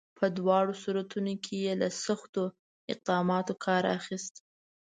په دواړو صورتونو کې یې له سختو اقداماتو کار اخیست.